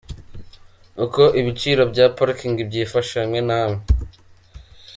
Uko ibiciro bya parking byifashe hamwe na hamwe.